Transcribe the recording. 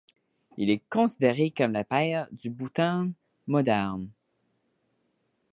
Il est considéré comme le père du Bhoutan moderne.